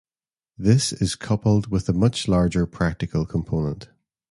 This is coupled with a much larger practical component.